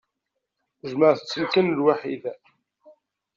Jemɛet-ten kan lwaḥid.